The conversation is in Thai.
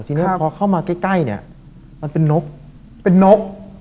ทีนี้พอเข้ามาใกล้เนี่ยมันเป็นนกเป็นนก